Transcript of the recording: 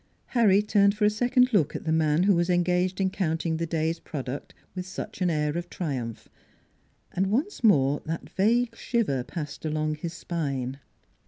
Harry turned for a second look at the man who was engaged in counting the day's product with such an air of triumph; and once more that vague shiver passed along his spine.